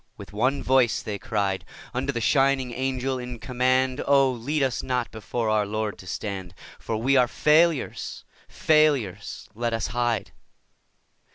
With one voice they cried Unto the shining Angel in command: 'Oh, lead us not before our Lord to stand, For we are failures, failures! Let us hide.